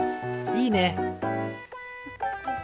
いいね！